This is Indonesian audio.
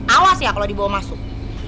awas ya kalau dibawa masuk